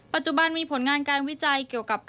ปัจจุบันมีผลงานการวิจัยเกี่ยวกับ